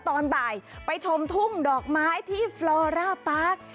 ตอนบ่ายไปชมทุ่งดอกไม้ที่ฟลอร่าปาร์ค